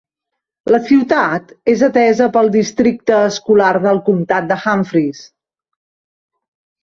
La ciutat és atesa pel districte escolar del comtat de Humphreys.